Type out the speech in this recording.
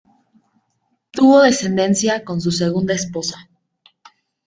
Tuvo descendencia con su segunda esposa.